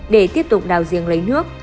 để tiếp tục đào giếng lấy nước